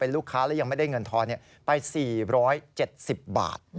แล้วยังไม่ได้เงินทอนไป๔๗๐บาท